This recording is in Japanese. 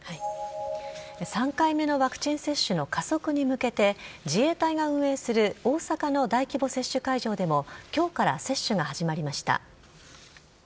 ３回目のワクチン接種の加速に向けて、自衛隊が運営する大阪の大規模接種会場でも、きょうから接種が始まりました。